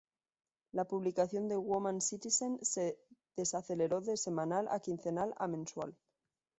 La publicación de Woman Citizen se desaceleró de semanal, a quincenal, a mensual.